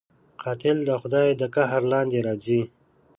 قاتل د خدای د قهر لاندې راځي